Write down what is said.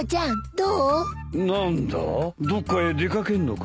どっかへ出掛けんのか？